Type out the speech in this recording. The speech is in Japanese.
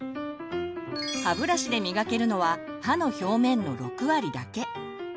歯ブラシで磨けるのは歯の表面の６割だけ。